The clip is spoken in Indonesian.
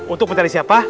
untuk mencari siapa